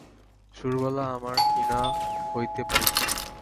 সুরবালা আমার কী না হইতে পারিত।